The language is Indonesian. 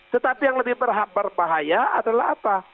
tetapi yang lebih berbahaya adalah apa